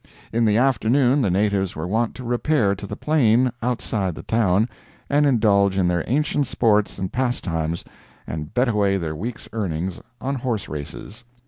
In the afternoon the natives were wont to repair to the plain, outside the town, and indulge in their ancient sports and pastimes and bet away their week's earnings on horse races.